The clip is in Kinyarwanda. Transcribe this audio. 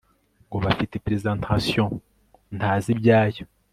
ngo bafite presentation ntazi ibyayo